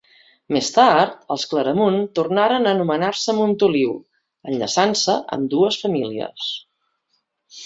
Més tard, els Claramunt tornaren a anomenar-se Montoliu, enllaçant-se ambdues famílies.